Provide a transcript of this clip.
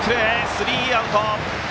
スリーアウト。